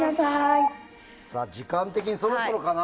時間的にそろそろかな。